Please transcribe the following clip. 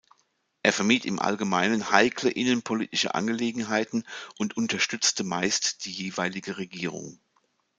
Er vermied im Allgemeinen heikle innenpolitische Angelegenheiten und unterstützte meist die jeweilige Regierung.